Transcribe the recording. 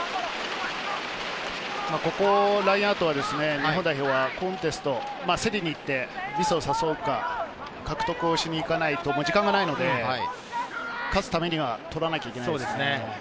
ここのラインアウトは、日本代表は競りに行ってミスを誘うか、獲得をしに行かないともう時間がないので、勝つためには取らなきゃいけないですね。